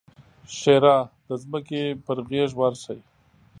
ښېرا: د ځمکې پر غېږ ورسئ!